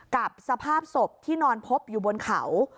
กับสภาพศพที่นอนพบอยู่บนเขา